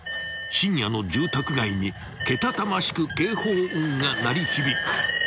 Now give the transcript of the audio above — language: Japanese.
［深夜の住宅街にけたたましく警報音が鳴り響く］